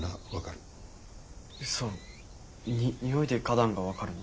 うそ。に匂いで花壇が分かるの？